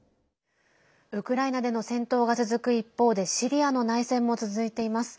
ウクライナでの戦闘が続く一方でシリアの内戦も続いています。